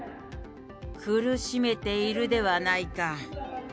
苦しめているではないか。